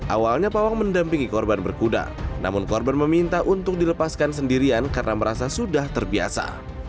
awalnya pawang mendampingi korban berkuda namun korban meminta untuk dilepaskan sendirian karena merasa sudah terbiasa